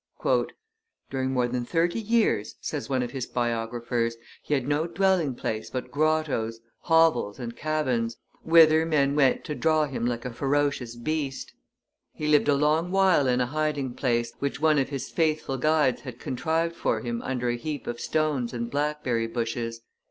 "During more than thirty years," says one of his biographers, "he had no dwelling place but grottoes, hovels, and cabins, whither men went to draw him like a ferocious beast. He lived a long while in a hiding place, which one of his faithful guides had contrived for him under a heap of stones and blackberry bushes.